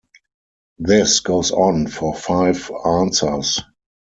This goes on for five answers.